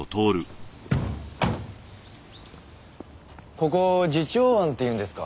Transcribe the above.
ここ慈朝庵って言うんですか。